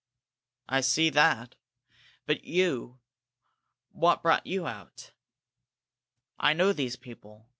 "I see that. But you what brought you out?" "I know those people.